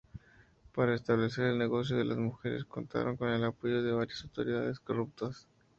Para establecer el negocio las mujeres contaron con el apoyo de varias autoridades corruptas.